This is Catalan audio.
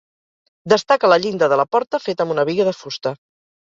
Destaca la llinda de la porta, feta amb una biga de fusta.